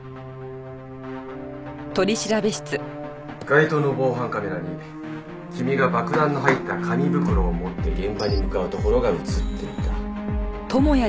「街頭の防犯カメラに君が爆弾の入った紙袋を持って現場に向かうところが映っていた」